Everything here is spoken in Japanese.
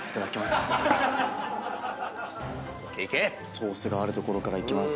ソースがある所からいきます。